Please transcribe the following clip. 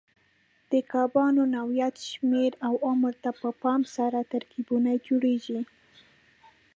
د کبانو نوعیت، شمېر او عمر ته په پام سره ترکیبونه جوړېږي.